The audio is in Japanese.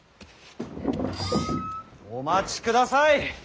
お待ちください！